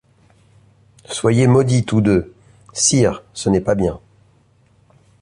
Soyez maudits tous deux !— Sire, ce n’est pas bien.